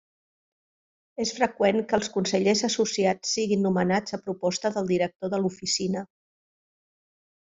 És freqüent que els Consellers associats siguin nomenats a proposta del Director de l'Oficina.